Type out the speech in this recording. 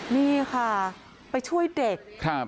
นี่ค่ะไปช่วยเด็ก